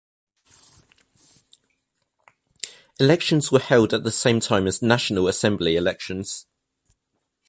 Elections were held at the same time as National Assembly elections.